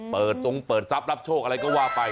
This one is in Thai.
เปิดของเปิดรับทรัพย์อะไรก็ว่าไป